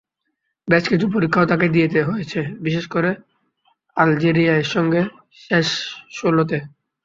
বেশ কিছু পরীক্ষাও তাঁকে দিতে হয়েছে, বিশেষ করে আলজেরিয়ার সঙ্গে শেষ ষোলোতে।